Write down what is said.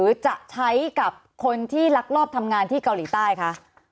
จะใช้กับคนที่ลักลอบทำงานที่เกาหลีใต้คะ